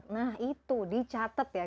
nah itu dicatet ya